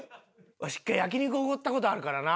わし１回焼き肉おごった事あるからな。